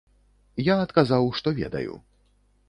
Я адказаў, што ведаю.